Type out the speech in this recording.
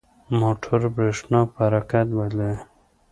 موټور برېښنا په حرکت بدلوي.